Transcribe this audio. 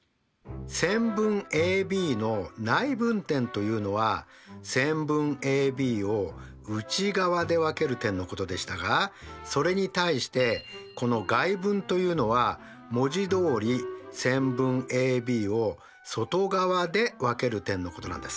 線分ＡＢの内分点というのは線分ＡＢを内側で分ける点のことでしたがそれに対してこの外分というのは文字どおり線分ＡＢを外側で分ける点のことなんです。